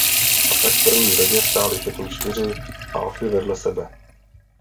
A tak v první řadě stály všechny čtyři Alfy vedle sebe.